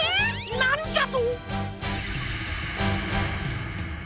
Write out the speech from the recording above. なんじゃと！